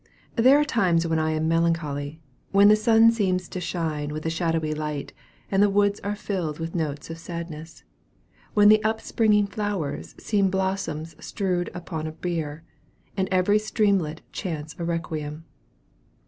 There are times when I am melancholy, when the sun seems to shine with a shadowy light, and the woods are filled with notes of sadness; when the up springing flowers seem blossoms strewed upon a bier, and every streamlet chants a requiem.